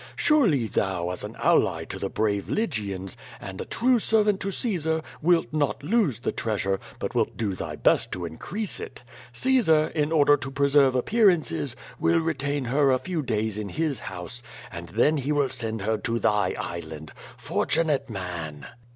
Surely thou, as an ally to the brave Lygians, and a true servant to Caesar, wilt not lose the treasure, but wilt do thy best to in crease it. Caesar, in order to preserve appearances, will re tain her a few days in his house, and then he will send her to thy island. Fortunate man!"